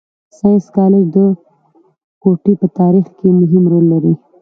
ساینس کالج د کوټي په تارېخ کښي مهم رول لري.